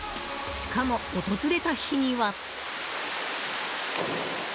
しかも、訪れた日には。